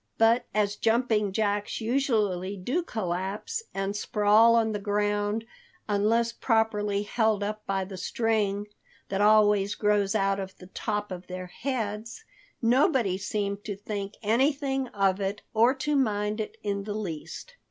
But as jumping jacks usually do collapse and sprawl on the ground unless properly held up by the string that always grows out of the tops of their heads, nobody seemed to think anything of it, or to mind it in the least.